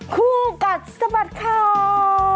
คู่กัดสะบัดข่าว